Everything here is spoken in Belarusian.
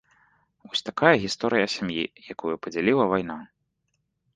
Вось такая гісторыя сям'і, якую падзяліла вайна.